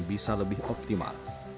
bisa lebih optimal